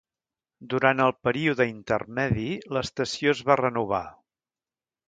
Durant el període intermedi, l'estació es va renovar.